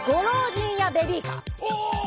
お！